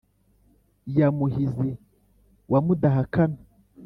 ya muhizi wa mudahakana